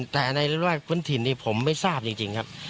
แต่ในรอบพื้นถิ่นนี้ผมไม่ทราบจริงครับ